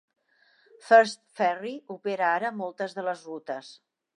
First Ferry opera ara moltes de les rutes.